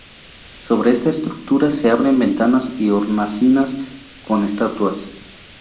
Sobre esta estructura se abren ventanas y hornacinas con estatuas.